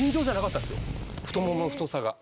太ももの太さが。